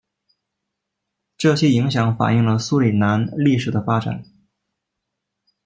这些影响反映了苏里南历史的发展。